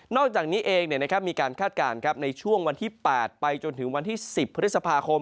อกจากนี้เองมีการคาดการณ์ในช่วงวันที่๘ไปจนถึงวันที่๑๐พฤษภาคม